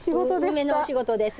梅のお仕事です。